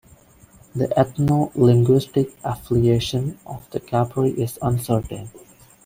The ethno-linguistic affiliation of the Carpi is uncertain.